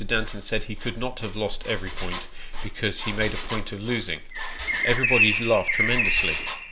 Danton said he could not have lost every point, because he made a point of losing : everybody laughed tremendously.